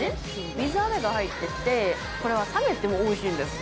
水あめが入ってて、これは冷めてもおいしいんですよ。